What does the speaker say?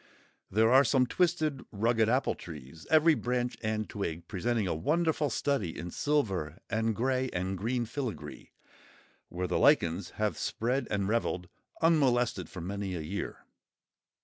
There are some twisted, rugged apple trees, every branch and twig presenting a wonderful study in silver and grey and green filigree, where the lichens have spread and revelled unmolested for many a year.